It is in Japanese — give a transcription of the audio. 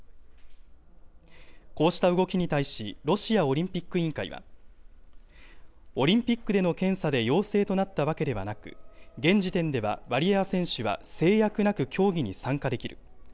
こうした動きに対し、ロシアオリンピック委員会は、オリンピックでの検査で陽性となったわけではなく、現時点ではワリエワ選手は制約なく競技に参加できる。